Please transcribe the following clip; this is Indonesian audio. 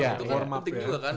itu kan penting juga kan